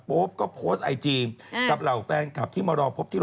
ป๊อปก็โพสต์ไอจีกับเหล่าแฟนกลับที่รอปุลี